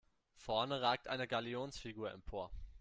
Vorne ragt eine Galionsfigur empor.